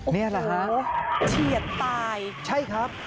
เนี่ยละฮะโอ้โหเฉียดตายใช่ครับ